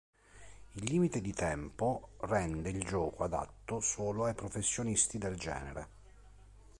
Il limite di tempo rende il gioco adatto solo ai professionisti del genere.